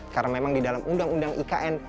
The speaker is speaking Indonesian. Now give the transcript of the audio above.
karena memang di dalam undang undang ikn